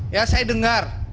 ya saya dengar